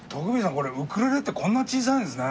これウクレレってこんなに小さいんですね。